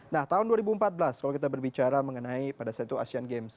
nah tahun dua ribu empat belas kalau kita berbicara mengenai pada saat itu asean games